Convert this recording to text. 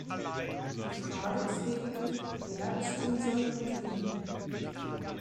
Die Frage ist lediglich, wer es tun soll und wie.